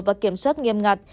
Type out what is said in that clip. và kiểm soát nghiêm ngặt